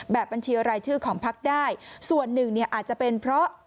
บัญชีรายชื่อของพักได้ส่วนหนึ่งเนี่ยอาจจะเป็นเพราะ